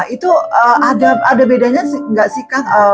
itu ada bedanya nggak sih kang